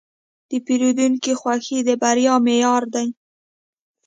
د پیرودونکي خوښي د بریا معیار دی.